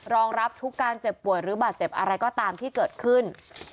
รองรับทุกการเจ็บป่วยหรือบาดเจ็บอะไรก็ตามที่เกิดขึ้น